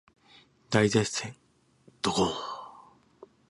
大接戦ドゴーーン